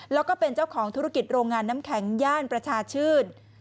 แล้วก็เป็นเจ้าของธุรกิจโรงงานน้ำแข็งย่านประชาชื่น